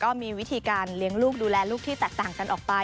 ก็มีวิธีการเลี้ยงลูกดูแลลูกที่แตกต่างกันออกไป